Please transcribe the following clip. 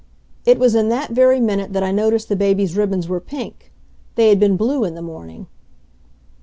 It was in that very minute that I noticed the baby's ribbons were pink; they had been blue in the morning.